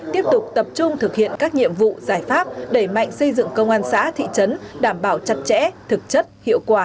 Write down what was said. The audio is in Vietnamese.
tiếp tục tập trung thực hiện các nhiệm vụ giải pháp đẩy mạnh xây dựng công an xã thị trấn đảm bảo chặt chẽ thực chất hiệu quả